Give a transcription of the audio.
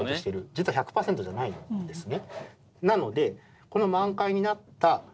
実は１００％じゃないんですね。